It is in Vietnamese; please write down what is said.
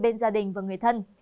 bên gia đình và người thân